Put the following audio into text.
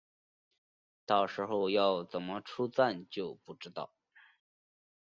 到时候要怎么出站就不知道